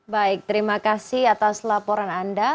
baik terima kasih atas laporan anda